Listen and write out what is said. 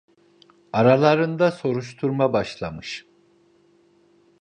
Aralarında soruşturma başlamış.